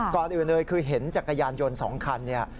ก่อนอื่นเลยคือเห็นจักรยานยนต์๒คันเนี่ย